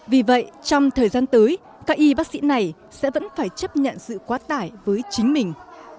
vì vậy trong thời gian tới các y bác sĩ này sẽ vẫn phải chấp nhận sự quá tải với chính mình